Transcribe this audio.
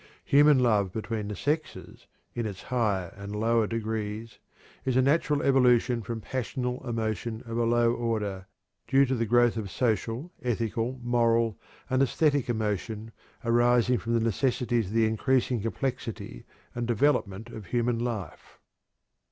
Human love between the sexes, in its higher and lower degrees, is a natural evolution from passional emotion of a low order, due to the growth of social, ethical, moral, and æsthetic emotion arising from the necessities of the increasing complexity and development of human life.